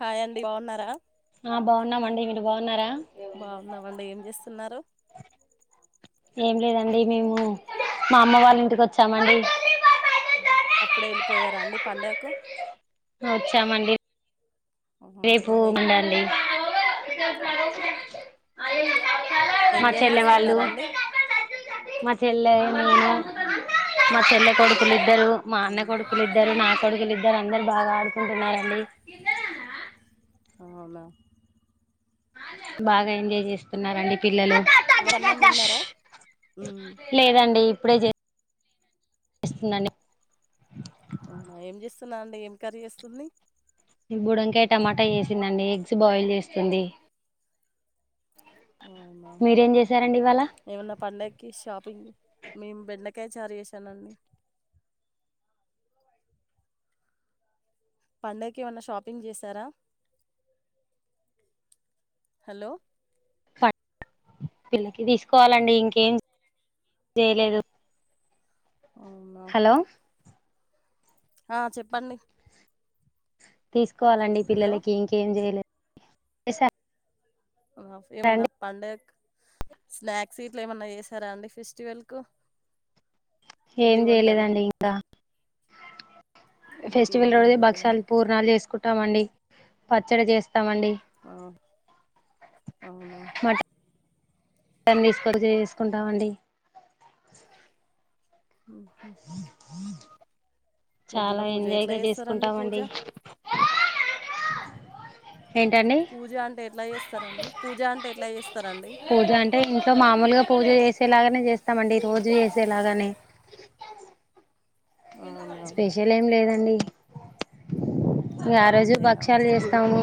హాయ్ండి బావున్నారా ఆ బాగున్నామండి మీరు బాగున్నారా బాగున్నావండి ఏం చేస్తున్నారు ఏం లేదండి మేము మా అమ్మ వాళ్ళ ఇంటికి వచ్చామండి ప్పుడు ఎళ్ళిపోయారా అండి పండగకు ఒచ్చామండి ఆహా రేపు ఎం ఉండండి ఎంజాయ్ జేస్తున్నారా అండి మ చెల్లే నేను ఆహా మ చెల్లె కొడుకులిద్దరు మా అన్న అవును కొడుకులిద్దారు నా కొడుకులిద్దరు ఇద్దరందరు బాగ ఆడుకుంటున్నారండి అవునా బాగా ఎంజాయ్ చేస్తున్నారండి పిల్లలు ఎవ అన్నం దిన్నారా లేదండి ఇప్పుడే చే స్తుందండి ఆహ ఏం చేస్తున్నా అండి ఏం కర్రీ చేస్తుంది బుడంకాయ టమాటా ఏసిందండి ఎగ్స్ బాయిల్ చేస్తుంది అవునా మీరేం చేశారండి ఇవాళ ఏమన్నా పండక్కి షాపింగ్ మేము్ బెండకాయ చార్ చేసానండి పండగకి ఏమన్నా షాపింగ్ చేశారా హలో పిల్లకి తీసుకోవాలండి ఇంకేం జేయ్లేదు అవునా హలో ఆ చెప్పండి తీసుకోవాలండి హలో పిల్లలకి ఇంకేం జేయలే సా ఆ ఏమన్నా పండగ స్నాక్స్ గిట్ల ఏమన్నా ఏసారా అండి ఫెస్టివల్ కు ఏం జేయలేదండి ఇంకా ఇంకేం ఫెస్టివల్ రోజ చేయలేదా భక్షాలు పూర్ణాలు చేసుకుంటామండి పచ్చడి చేస్త అ అవునా ఐం దీస్కొన్ చేసుకుంటామండి ఊహు చాలా ఎట్లా ఎంజాయ్గా చేస్తారండి పూజ చేసుకుంటామండి ఏంటండి పూజ అంటే ఎట్లా చేస్తారండి పూజ అంటే ఎట్లా జేస్ పూజ అంటే ఇంట్లో మామూలుగా పూజ చేసేలాగా నె చేస్తామండి రోజు చేసేలాగానే అవునా స్పెషెల్ ఏం లేదండి ఇంగ ఆ అట్- రోజు అంతేనా భక్ష్యాలు గుడి జేస్తాము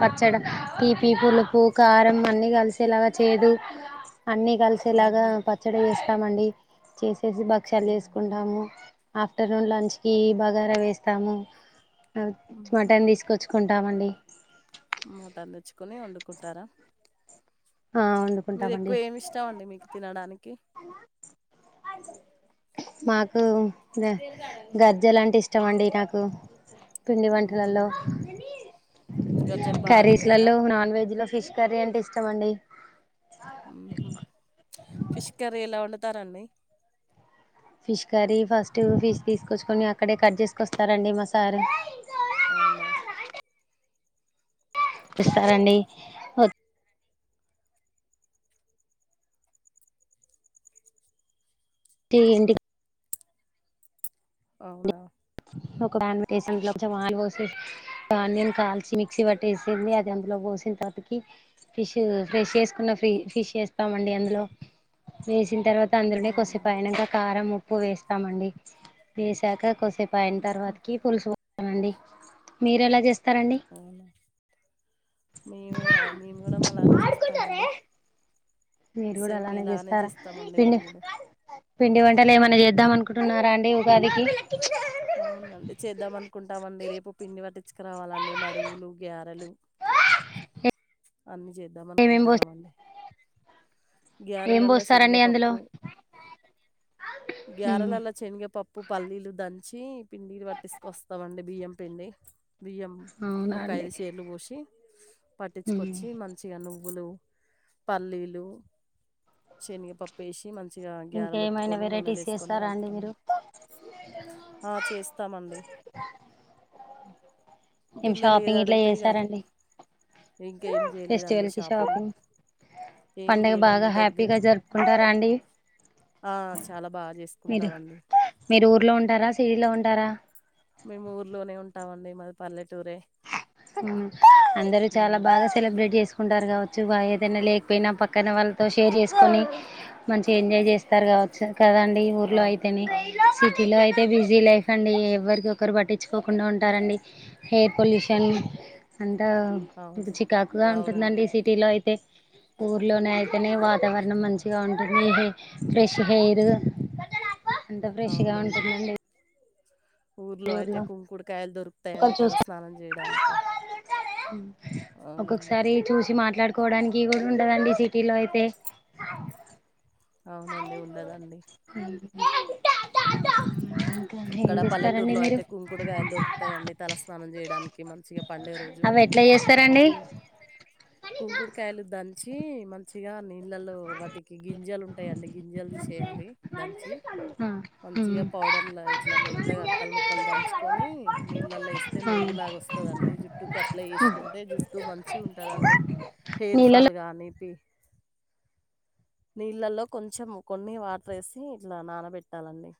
పచ్చడ తీపి పులుపు కారం అన్ని గలిసేలాగా చేదు అన్నీ కలిసేలాగా ఉహు పచ్చడి చేస్తామండి చేసేసి భక్ష్యాలు ఉహు చేసుకుంటాము ఆఫ్టర్నూన్ లంచ్ కి బగారా వేస్తాము ఉహు. మటన్ తీసుకొచ్చు కుంటామండి మటన్ దెచ్చుకుని ఒండుకుంటారా ఆ మీరు ఎక్కువ వండుకుంటామండి ఏమి ఇష్టమండి మీకు తినడానికి మాకు గ గజ్జలంటె ఇష్టం అండి నాకు పిండి ఉహు వంటలల్లో అవునా గజ్జలు బాగా తింటారా కర్రీస్లల్లోలో నాన్ వెజ్ లో ఫిష్ కర్రీ అంటే ఇష్టం అండి ఉంహు ఫిష్ కర్రీ ఎలా ఒండుతారండి ఫిష్ కర్రీ ఫస్ట్ ఫిష్ తీసుకొచ్చుకొని అక్కడే కట్ జేసుకొస్తారండి మా సారు అవునా ఇస్తారండి ఒ తే ఇండి అవునా ఒక ప్యాన్ ట్టేసి అంలో కొంచెం ఆయిల్ పోసి ఆనియన్ కాల్చి మిక్సీ పట్టేసింది అదంత అందులో పోసిన [unintelligible] ఫిష్ ఫ్రెష్ చేేసుకున్న ఫ ఫిష్ చేస్తామండి అందులో చేసిన్ తర్వాత్ తంద్రుని అవునా కొసేపైనాక కారం ఉప్పు వేస్తామండి వేసాక కొసెప్ పయిన ఉహు తర్వాత్కి పుల్సు పోా అండి మీరెలా చేస్ అవునా మేము మేము కూడ అలానే చేూస్తామండి మీరు కూడ అలానే చేస్తారా పిండి మేము కూడా పిండి వంటలు ఏమన్నా చేద్దాం అనుకుంటున్నారా అండి ఉగాదికి అవునండి చేద్దాం అనుకుంటామండి రేపు పిండి పట్టించుకురావాలండి మడుగులు గ్యారెలు అన్నీ చేద్దాం ఏమేం పో అనుకుంటానమండి ఏం గ్యరలల్ల పోస్తారండి శనగా అందులో పప్పు గ్యారలల్లా చెనగపప్పు పల్లీలు దంత వచ్చి పిండి పట్టిసుకొస్తామండి బియ్యం పిండి బియ్యం అవునా ఒక అండి ఐదు సేర్లు పోసి పట్టించుకొచ్చి మంచిగా నువ్వు నువ్వులు పల్లీలు చెనగ పప్పు వేసి మం చిగా ఇంకా ఏమైనా గ్యారలుొత్తుకొని నూనె వెరైటీస్ లేసుకొని చేస్తారా అండి కలుపుతాం మీరు ఆ చేస్తామండి ఏం పిల్లలు ఏదిో షాపింగ్ ఇట్లా అడుగుతేాయి కాదు చేసారండి ఇం ఇంక ఏం చేయలేదండి షాపింగ్ ఏం పండగ బాగ లేదండి దగ్గర హ్యాపీగా జరుపుకుంటారా అండి ఆ చాలా బాగా చేసుకుంటామండి తీలో ఉంటార మేము ఊర్లోనే ఉంటామండి మాది పల్లెటూ అందరూ చాల ఉమ్ బాగా సెలబ్రేట్ చేసుకుంటారు కాబటి చ్చు బాగా ఏదైన లేకపోయినా పక్కన వాళ్ళతో షేర్ చేసుకొని మంచిగా ఎంజాయ్ చేస్తారకావచ్చు కదండి ఊర్లో అవు అయితేనె అవు సిటీలో అయితే అంటే బిజీ లైఫ్ అండి ఎవ్వరి కొకరు పట్టించుకోకుండా ఉంటారండి ఎయిర్ పొల్యూషన్ అంతా అవును చికాగుగా అవునండి ఉంటుందండి సిటీలో అయితే ఊర్లోనే అయితేనే వాతావరణం మంచిగా ఉంటుంది హె ఫ్రెష్ హెయిర్ ఎంత ఫ్రెష్గా అవునండి ఉంటుందండి ఊర్లో అయితే కుంకుడు కాయలు దొరుకుతాయండి తల స్నానం చేయడానికి అవునండి ఒకొక్సారి చూసి మాట్లాడ్ కోడానికి కూడ ఉండదండి సిటీలో అయితే అవునండి ఉండదండి ఇంకా ఏం ఇక్కడ చేస్తారండి పల్లెటూర్లో మీరు అయితే కుంకుడుగాయలు దొరుకుతాయండి తలస్నానం చేయడానికి మంచిగా పండగ రోజు అవి ఎట్లా చేస్తారండి కుం కుంకుడుకాయలు దంచి మంచిగా నీ పిల్లలు వాటికి గింజలు ఉంటాయండి గింజాలు తీసేయాలి దంచి ఆ మంంచిగా మ్మ్ పౌడర్లా ఇట్లా మెత్తగా అక్కల్ ముక్కల్ దంచుకొని నీళ్ళలో వేస్తే నురుగులాగా వస్తుందండి జుట్టుకు అప్లై చేస్త ఆ చసుకుంటే జుట్టు మంచి ఉంటదండి హెయిర్ నీళ్ళలో ఫాల్ కాని పి నీళ్ళలో కొంచెం కొన్ని వాటర్ వేసి ఇట్ల నానబెట్టాలండి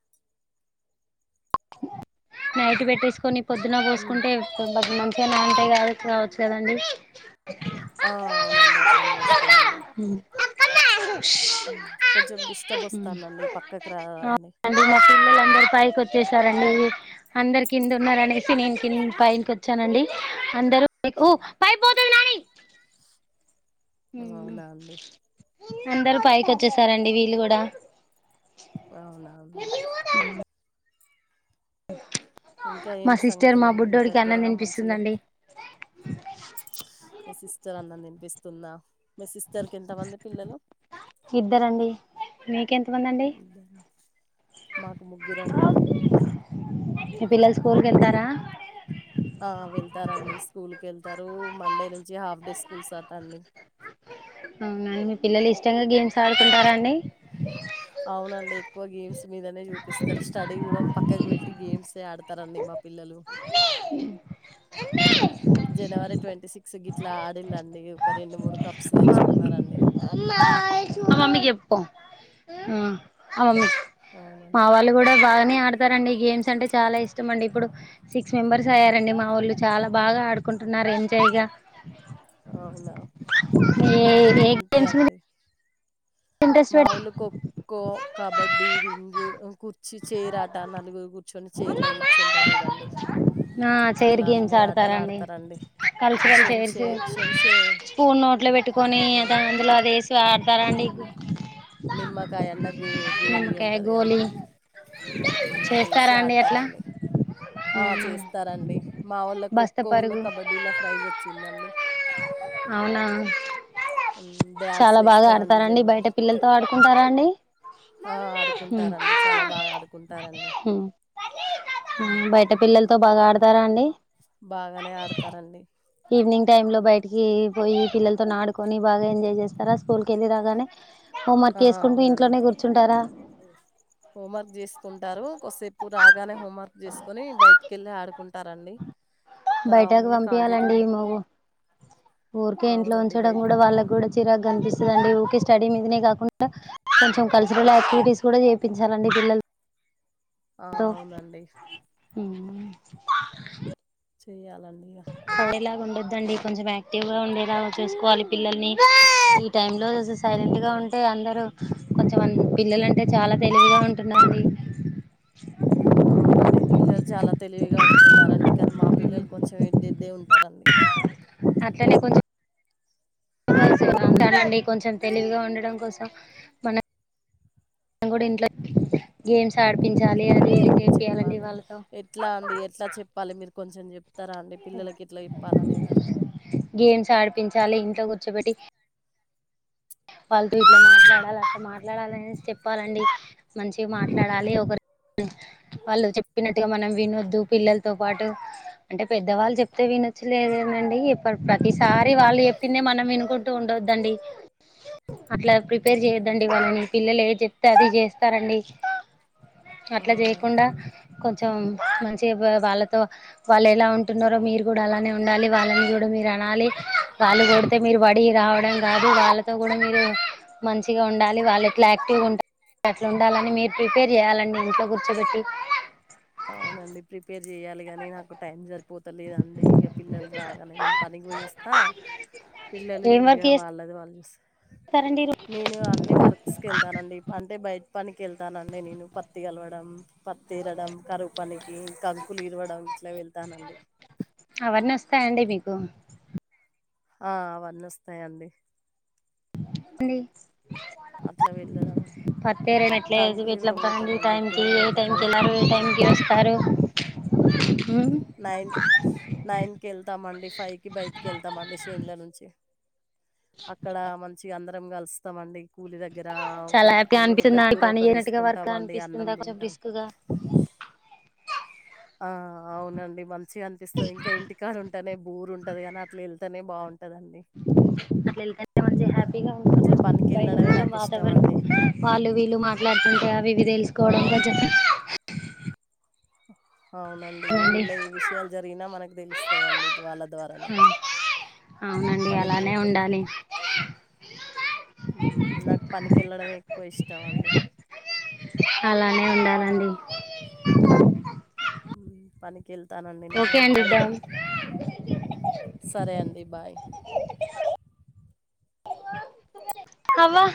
నైట్ పెట్టేసుకొని పొద్దున ఉమ్, పోసుకుంటే [unintelligible] నా అంటే గదు కావచ్చు కదండి [inaudible] ఆ అవునండి అట్లనే ఇస్తామండి కొంచెం డిస్టర్బ్ వస్తానండి పక్కకి రాదరా అండి ట్ల పైకి వచ్చే సాన్ అందరు కింద ఉన్నార్ అనేసి నేను కి పైన్కి వచ్చానండి అందరు పైపోతది నాని అవునా అండి అందరు పైకి వచ్చేసారండి వీళ్ళు కూడ అవునా అండి ఇంకా ఏం మా సిస్టర్ మా సంగతులండి మీ బుడ్డోడికి దగ్గర అన్నం మంచిగా తినిపిస్తుందండి మీ సిస్టర్ అన్నం తినిపిస్తుందా మీ సిస్టర్ కి ఎంతమంది పిల్లలు ఇద్దరండి మీకెంతమందండి ఇద్దరా? మాకు ముగ్గురండి మీ పిల్లలు స్కూల్ కెళ్తారా ఆ వెళ్తారండి స్కూల్ కెళ్తారు మండే నుంచి హాఫ్ డే స్కూల్స్ అట అండి అవునండి మీ పిల్లలు ఇష్టంగా గేమ్స్ ఆడుకుంటార అండి అవునండి ఎక్కువ గేమ్స్ మీదనే చూపిస్తారు స్టడీ కూడ పక్కకు పెట్టి గేమ్సే ఆడతారండి మా పిల్లలు జనవరి ట్వంటీ సిక్స్ గిట్లా ఆడిళండి ఒక రెండు మూడు కప్స్ తెచ్చుకున్నారండి [unintelligible] మా అవునండి వాళ్ళు కూడ బానే ఆడత రండి గేమ్స్ అంటే చాలా ఇష్టం అండి ఇప్పుడు సిక్స్ మెంబర్స్ అయ్యారండి మా ళ్ళు చాలా బాగా ఆడుకుంటున్నా [unintelligible] చేయగ అవునా ఏ ఏ అంతే గేమ్స్ మీద అండి ఇంట్రెస్ట్ మా పెట్ వొళ్ళు ఖోఖో కబడ్డీ రింగు కుర్చీ చేరట నలుగురు కూర్చుని చీరలో కూర్చుంటారు చూడండి ఆ చేైరు అట్లా గేమ్స్ అన్ని ఆటలు ఆడతారండి కల్చరల్ శొంషే చేర్స్ శొంషే స్పూన్ నోట్లో పెట్టుకొని ఆ అందులో అదేసి సర అండి గు నిమ్మకాయన్న గో గోళ నిమ్మకాయ ఉంటది కదా గోళీ మనం అవేసి చేస్తారా అండి ఎట్లా ఆడతారండి. ఆ చేస్తారంండి మా వాళ్ళ బస్త ఖోఖోను పరుగు కబడ్డీలా ప్రైజ్ వచ్చిందండి అవునా డ్యాన్స్ చాలా లు బాగా ఎస్తారండి ఆడతారండి జనవరి బయట పిల్లలతో ఆడుకుంటార అండి ఆడుకుంటారంండి చాలా బాగా ఆడుకుంటారండి బా ఆడతారా అండి బాగానే ఆడతారండి ఈవినింగ్ టైమ్ లో బయటికి పోయి పిల్లలతో నాడు కొనిా ఎంజాయ్ చేస్తారా స్కూల్కి వెళ్ళి రాగానే హోమ్ వర్క్ చేసుకుంటూ ఇంట్లోనే కూర్చుంటారా హోం వర్క్ చేసుకుంటారు కొసేపు రా గానే హోమ్ వర్క్ చేసుకుొని బయటికి వెళ్ళి ఆడుకుంటారండి బయటకు రావంగానే కాలు చేతులు పంపియాలండి మొక్కు మవ్వు ఊరికే ఇంట్లో అవునండి ఉంచడం కూడా బయటికి వాళ్ళకి కూడా చిరగ్ కనిపిస్తుందిండి ఓకే స్టడీ మీదనే కాకుండా కొంచెం కల్చరల్ యాక్టివిటీస్ కూడా చేయిించాలండి పిల్లలు ఆ అవునండి చేయ్యాలంట పేలా ఉండద్దండి కొంచెం యాక్టివ్ గా ఉండేలా చూసుకోవాలి పిల్లల్ని ఈ టైమ్ లో సైలెంట్ ఆ గా ఉంటే అందరు పిల్లలంటే చాలా తెలివిగా ఉంటున్నాడి అవునండి పిల్లలు చాలా తెలివిగా ఉంటున్నడి కానీ మా పిల్లలు కొంచెం ఎదిద్దే ఉంటారండి అట్లనే కొంచ్ [unintelligible] ఉంటానండి కొంచం తెలివిగా ఉండడం కోసం మన అంగుడ్ ఇంట్లే గేమ్స్ ఆడ్ అవునండి చెప్పాలే ఎట్లా అండి ఎట్లా చెప్పాలి మీరు కొంచం చెప్ తరా అండి పిల్లలకి ఇట్ల ఇప్పాలనేది ట కూర్చోబెట్టి వాళ్ళతో ఇట్ల మాట్లాడాలి అట్ల మాట్లాడాలని చెప్పాలండి మంచిగ్ మాట్లాడాలి ఒకర్ ఇగ వాళ్ళు చెప్పినట్టుగా మనం వినొద్దు పిల్లలతో పాటు అంటే పెద్దవాళ్ళు చెప్తే వి నచ్చలేదనండి ఇప్పడ్ ప్రతిసారి వాళ్ళు చెప్పిందే మనం వినుకుంటూ ఉండోద్దండి అట్ల ప్రిపేర్ అవునా చేయొద్దండి వాళ్ళని పిల్లలు ఏ చెప్తే అది చేస్తారండి అట్ల అవునా చేయకుండా కొంచం కొంచే వ వాళ్ళతో వాళ్ళు ఎలా ఉంటున్నారో మీరు కూడా అలానే ఉండాలి వాళ్ళని కూడా మీరు అనాలి వాళ్ళు కొడ్తే మీరు వడి రావడం కాదు వాళ్ తో కూడ మీరే మంచిగా ఉండాలి వాళ్ళు ఎట్ల యాక్టివ్గా ఉంట అట్లుండాలని మీరు ప్రిపేర్ చేయ్యాలండి ఇంట్లో కూర్చోబెట్టి అవునండి ప్రిపేర్ చెయాలి కని నాకు టైం జర్ పోతలే అండి ఇయ పిల్లల్ రాగానే నేను పనికి పోయేస్తా పిల్లలు ఏం ఇంక వర్క్ వాళ్ళది వాళ్ళు చుస్ చేస్తారండి నేను అన్ని వర్క్స్కి వెళ్తానండి అంటే బయట్ పని కేళ్తానండి నేను పత్తి కలవడం పత్తి ఎరడం దో పనికి కంకులు ఇరవడం ఇట్ల వెళ్తానండి ఒస్తాయండి మీకు ఆ అవన్ని ఒస్తాయండి అండి అట్ల వెళ్ళడం పత్ ఎరనట్లే కంకులు ఎట్లపోతరండి ఇరవబోతామండి టైంకి ఇప్పుడు ఏ టైంకి ఎండాకాలం అల్లారు ఏ కాబట్టి టైంకి ఒస్తారు అ నైన్ నైన్కి ఎళ్తామండి ఫైవ్కి బయటిక్ ఎళ్తామండి షేన్ల నుంచి అక్కడ మంచిగ అందరం కలుస్తామండి కూలి దగ్గర చాలా ఒకరి కూ హ్యాపీగా అనిపిస్తుందా ఒకరి కూర పని ఒకరు చేయనట్టుగా వర్క్ వేసుకుంటాండి అన్నం అనిపిస్తుందా కొంచెం తింటాం రిస్క్ గా ఆ అవునండి మం చ్చి అన్పిస్తది ఇంకా ఇంటి కడుంటనే బోరు ఉంటది అన్ అట్లేళ్తేనే బావుం అట్లేళ్తేనే మంచి హ్యాపీగా ఉంటు అట్లా పనికి బయటద వెళ్ళడమే నాకు ఇష్టం వాతావరణం అండి వాళ్ళు వీళ్ళు మాట్లాడుతుంటే అవి ఇవి ఆ తెలుసుకోవడం కొంచం అవునండి ఇ ఊళ్ళ ఎ విషయాలు జరిగినా మనకి తెలుస్తాయండి ఇది వాళ్ళ ద్వారానే హుమ్ అవునండి అలానే ఉండాలి ఉమ్ నాక్ పనికి ఎళ్ళడమే ఎక్కువ ఇష్టం అండి అలానే ఉండాలండి మ్ పలికిల్ తనన్నీ నేను ఓకే అండి ఇద్దాం పనికి సరే అండి బాయ్ అవ్వ